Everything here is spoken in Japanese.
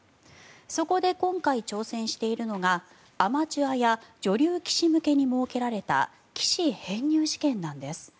そこで今回挑戦しているのがアマチュアや女流棋士向けに設けられた棋士編入試験なんです。